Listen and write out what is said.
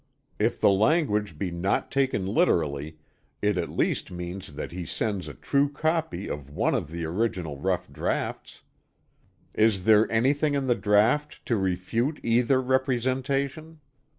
If the language be not taken literally, it at least means that he sends a true copy of one of the original rough draughts. Is there anything in the draught to refute either representation?